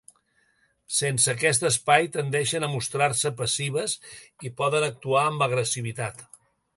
Sense aquest espai, tendeixen a mostrar-se passives i poden actuar amb agressivitat.